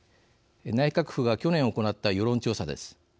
内閣府が去年行った世論調査です。